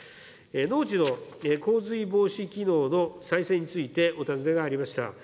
農地の洪水防止機能の再生について、お尋ねがありました。